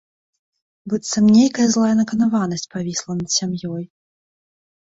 Быццам нейкая злая наканаванасць павісла над сям'ёй.